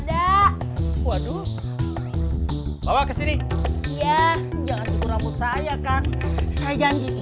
ada waduh bawa kesini ya jangan cukur aman saya akan sayang jiwa you